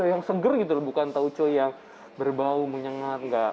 tauco yang seger gitu lho bukan tauco yang berbau menyengat enggak